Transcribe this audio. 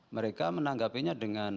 mereka menanggapinya dengan